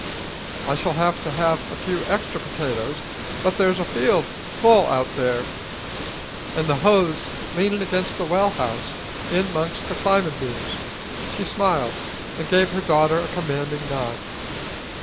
I shall have to have a few extra potatoes, but there's a field full out there, an' the hoe's leanin' against the well house, in 'mongst the climbin' beans." She smiled and gave her daughter a commanding nod.